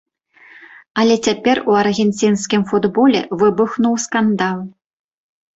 Але цяпер у аргенцінскім футболе выбухнуў скандал.